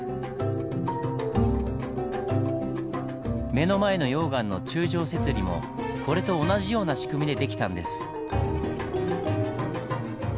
目の前の溶岩の柱状節理もこれと同じような仕組みで出来たんです。